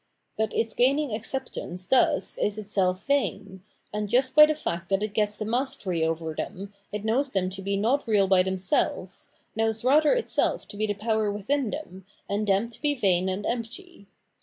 But its gam ing acceptance thus is itself vain, and just by the fact that it gets the mastery over them it knows them to be not real by themselves, knows rather itself to be the power within them, and them to be vain and empty.